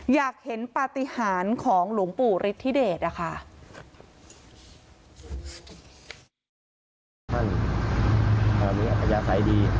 อยากเห็นปฏิหารของหลวงปู่ฤทธิเดชนะคะ